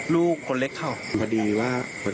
ลูกก็เล็กเขา